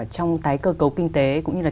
trong cái cơ cấu kinh tế cũng như là